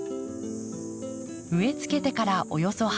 植えつけてからおよそ８か月。